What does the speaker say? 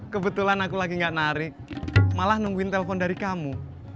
kebetulan aku lagi gak narik malah nungguin telpon dari kamu